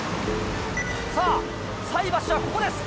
さぁさい箸はここです。